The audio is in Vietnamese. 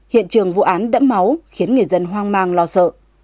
hiện trường vụ án đẫm máu khiến người dân hoang mang lo sợ